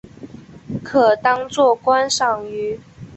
可当作观赏鱼。